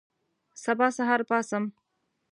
سبا سهار پاڅم